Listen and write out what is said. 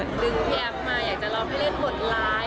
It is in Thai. ดึงพี่แอฟมาอยากจะร้องให้เล่นบทร้าย